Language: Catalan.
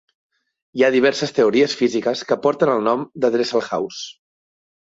Hi ha diverses teories físiques que porten el nom de Dresselhaus.